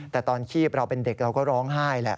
แต่ตอนชีพเราเป็นเด็กเราก็ร้องไห้แหละ